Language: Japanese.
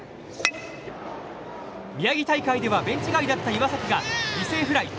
宮城大会ではベンチ外だった岩崎が犠牲フライ。